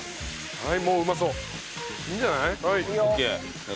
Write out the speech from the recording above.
はい！